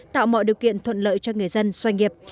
tạo mọi điều kiện thuận lợi cho người dân xoay nghiệp